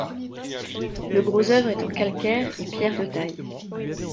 Le gros œuvre est en calcaire et pierre de taille.